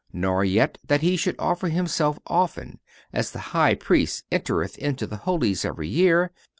"Nor yet that He should offer Himself often, as the High Priest entereth into the Holies every year."